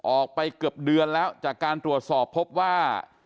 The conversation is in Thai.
ออกไปเกือบเดือนแล้วจากการตรวจสอบพบว่า